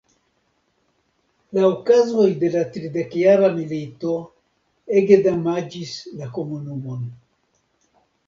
La okazoj de la Tridekjara milito ege damaĝis la komunumon.